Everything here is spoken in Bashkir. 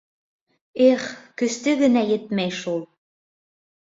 Их, көсө генә етмәй шул.